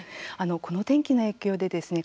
この天気の影響でですね